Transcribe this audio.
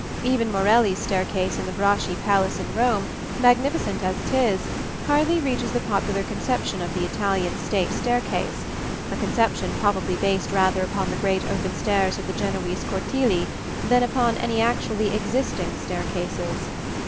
Even Morelli's staircase in the Braschi palace in Rome, magnificent as it is, hardly reaches the popular conception of the Italian state staircase a conception probably based rather upon the great open stairs of the Genoese cortili than upon any actually existing staircases.